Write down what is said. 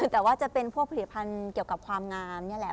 แต่ว่าจะเป็นพวกผลิตภัณฑ์เกี่ยวกับความงามนี่แหละ